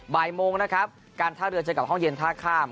บ่ายโมงนะครับการท่าเรือเจอกับห้องเย็นท่าข้าม